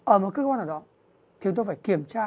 ở một cơ quan nào đó thì tôi phải kiểm tra